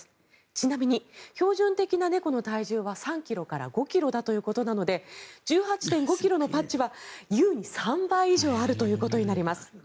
ちなみに標準的な猫の体重は３ｋｇから５ｋｇだということなので１８．５ｋｇのパッチは優に３倍以上あるということになります。